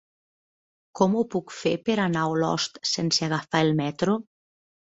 Com ho puc fer per anar a Olost sense agafar el metro?